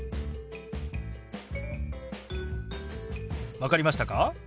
分かりましたか？